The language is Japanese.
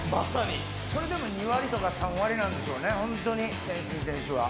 それでも２割とか３割なんでしょうね、天心選手は。